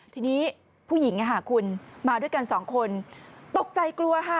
ทีนี้ผู้หญิงคุณมาด้วยกันสองคนตกใจกลัวค่ะ